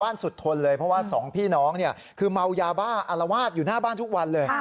สุดทนเลยเพราะว่าสองพี่น้องเนี่ยคือเมายาบ้าอารวาสอยู่หน้าบ้านทุกวันเลย